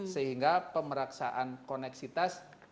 sehingga pemeraksaan koneksitas menjadi hal yang sangat penting